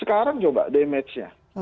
itu bahkan damagenya